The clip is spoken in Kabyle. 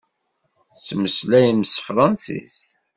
Tettmeslayem s tefransist?